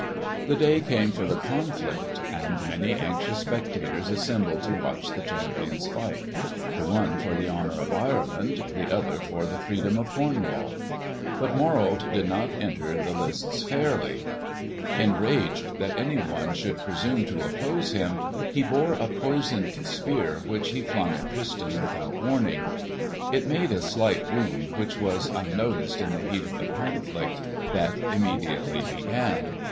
The day came for the conflict, and many anxious spectators assembled to watch the champions fight—the one for the honour of Ireland, the other for the freedom of Cornwall. But Morold did not enter the lists fairly. Enraged that any one should presume to oppose him, he bore a poisoned spear which he flung at Tristan without warning. It made a slight wound which was unnoticed in the heat of the conflict that immediately began.